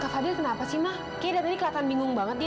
kak fadil kenapa sih ma kayaknya dari tadi kelihatan bingung banget ya